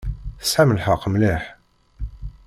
Tesɛam lḥeqq mliḥ.